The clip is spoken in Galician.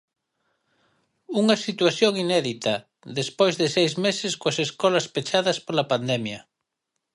Unha situación inédita, despois de seis meses coas escolas pechadas pola pandemia.